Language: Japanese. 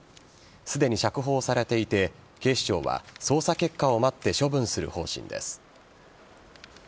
すでに釈放されていて警視庁は捜査結果を待って処分する方針です。